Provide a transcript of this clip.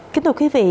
kính thưa quý vị